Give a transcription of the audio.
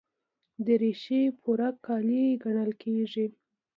دریشي پوره کالي ګڼل کېږي.